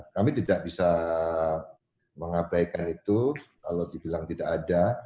kami tidak bisa mengabaikan itu kalau dibilang tidak ada